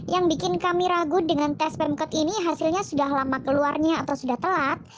yang bikin kami ragu dengan tes pemkot ini hasilnya sudah lama keluarnya atau sudah telat